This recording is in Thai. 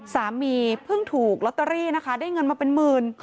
สามีเพิ่งถูกลอตเตอรี่นะคะได้เงินมาเป็นหมื่น